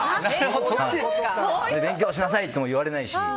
勉強しなさいとも言われないし。